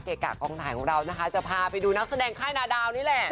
เกะกะกองทายของเราจะพาไปดูนักแสดงแค่นาดาวนี่แหละ